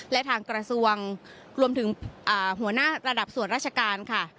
และทางกระทรวงรวมถึงหัวหน้าระดับส่วนราชการค่ะ